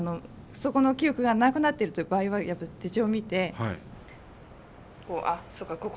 そこの記憶がなくなってるという場合はやっぱり手帳を見てそうか